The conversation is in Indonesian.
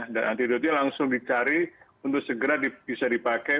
dan antidotnya langsung dicari untuk segera bisa dipakai